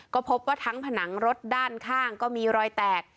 ก็พบว่าทั้งผนังรถด้านข้างก็มีรอยแตก